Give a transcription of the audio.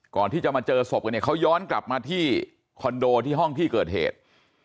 ก่อนที่จะมาเจอศพกันเนี่ยเขาย้อนกลับมาที่คอนโดที่ห้องที่เกิดเหตุ